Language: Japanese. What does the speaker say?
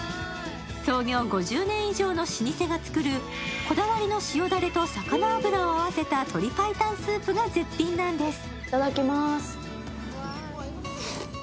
創業５０年以上の老舗が作るこだわりの塩だれと魚油を合わせた鶏白湯スープが絶品なんです。